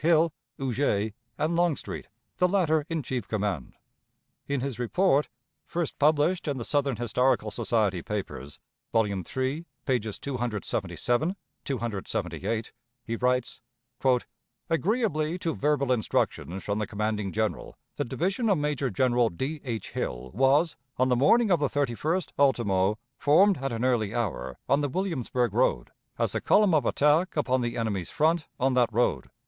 Hill, Huger, and Longstreet, the latter in chief command. In his report, first published in the "Southern Historical Society Papers," vol. iii, pp. 277, 278, he writes: "Agreeably to verbal instructions from the commanding General, the division of Major General D. H. Hill was, on the morning of the 31st ultimo, formed at an early hour on the Williamsburg road, as the column of attack upon the enemy's front on that road.